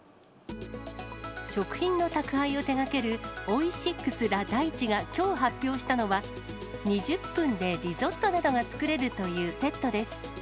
食品の宅配を手掛けるオイシックス・ラ・大地がきょう発表したのは、２０分でリゾットなどが作れるというセットです。